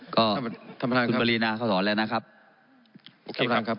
ก็ท่านประทานครับคุณปรีนาเข้าถอนแล้วนะครับโอเคครับ